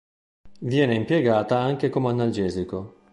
Viene impiegata anche come analgesico.